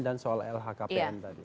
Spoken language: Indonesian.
dan soal lhkpm tadi